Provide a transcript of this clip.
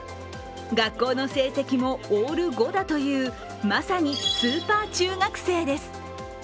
学校の成績もオール５だというまさにスーパー中学生です。